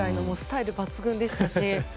スタイル抜群でしたし。